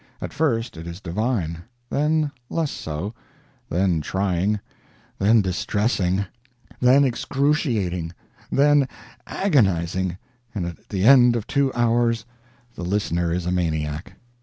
At first it is divine; then less so; then trying; then distressing; then excruciating; then agonizing, and at the end of two hours the listener is a maniac.